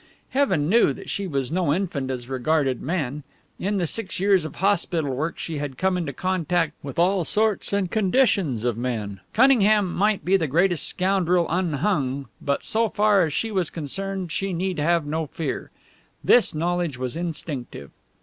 Heaven knew that she was no infant as regarded men! In the six years of hospital work she had come into contact with all sorts and conditions of men. Cunningham might be the greatest scoundrel unhung, but so far as she was concerned she need have no fear. This knowledge was instinctive.